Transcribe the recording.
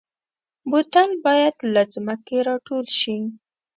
بوتل باید له ځمکې راټول شي.